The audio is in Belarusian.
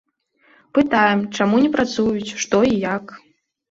Пытаем, чаму не працуюць, што і як.